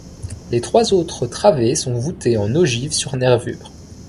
Les trois autres travées sont voûtées en ogive sur nervures.